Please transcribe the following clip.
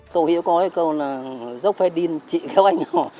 thấu hiểu có cái câu là dốc phe điên chị kéo anh hò